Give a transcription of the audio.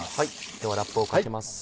ではラップをかけます。